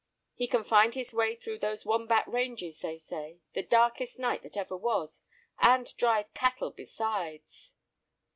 He can find his way through those Wombat Ranges, they say, the darkest night that ever was, and drive cattle besides."